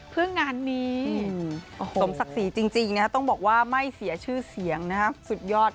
เพื่องานนี้สมศักดิ์ศรีจริงต้องบอกว่าไม่เสียชื่อเสียงสุดยอด